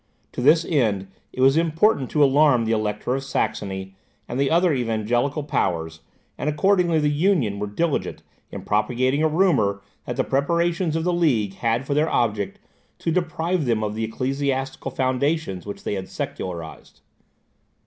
To this end, it was important to alarm the Elector of Saxony and the other Evangelical powers, and accordingly the Union were diligent in propagating a rumour that the preparations of the League had for their object to deprive them of the ecclesiastical foundations they had secularized.